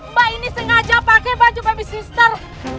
mbak ini sengaja pakai baju babysister